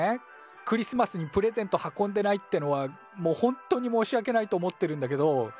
クリスマスにプレゼント運んでないってのはもうほんとに申し訳ないと思ってるんだけど。